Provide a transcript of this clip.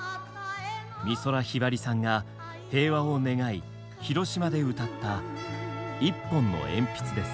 美空ひばりさんが平和を願い広島で歌った「一本の鉛筆」です。